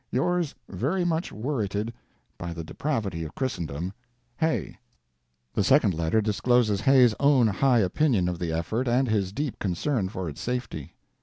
Yours, very much worritted by the depravity of Christendom, Hay The second letter discloses Hay's own high opinion of the effort and his deep concern for its safety.